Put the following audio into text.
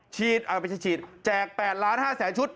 ชิดเอาไปชิดแจก๘๕ล้านชุด